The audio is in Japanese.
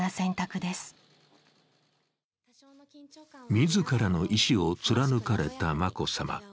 自らの意思を貫かれた眞子さま。